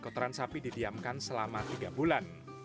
kotoran sapi didiamkan selama tiga bulan